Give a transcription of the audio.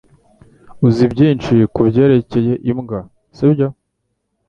Uzi byinshi kubyerekeye imbwa, sibyo?